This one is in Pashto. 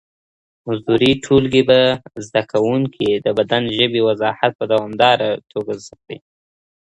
حضوري ټولګي به زده کوونکي د بدن ژبي وضاحت په دوامداره توګه زده کړي.